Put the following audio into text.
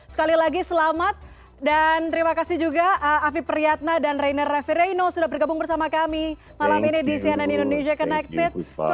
sekali lagi seleamat dan terima kasih juga afy pryadna dan reiner refereino sudah berkabung bersama kami malam ini di cnn indonesia connected selamat malam